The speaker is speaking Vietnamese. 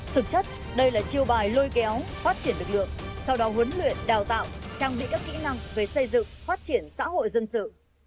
thực chất đây là chiêu bài lôi kéo phát triển lực lượng sau đó huấn luyện đào tạo trang bị các kỹ năng về xây dựng phát triển xã hội dân sự